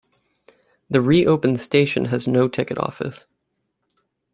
The reopened station has no ticket office.